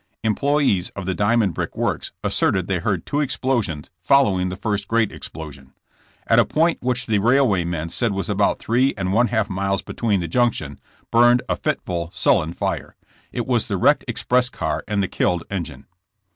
Employees of the Diamond Brick works asserted they heard two explosions following the first great explosion. At a point which the rail way men said was about three and one half miles be yond the junction, burned a fitful, sullen fire. It was the wrecked express car and the killed engine.